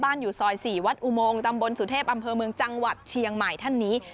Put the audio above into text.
อยู่ซอย๔วัดอุโมงตำบลสุเทพอำเภอเมืองจังหวัดเชียงใหม่ท่านนี้